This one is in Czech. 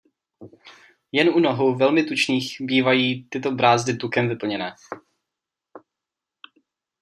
Jen u nohou velmi tučných bývají tyto brázdy tukem vyplněné.